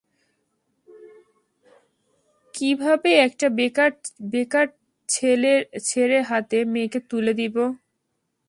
কিভাবে একটা বেকার ছেরে হাতে মেয়েকে তুলে দিব?